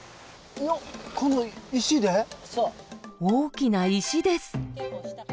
大きな石です。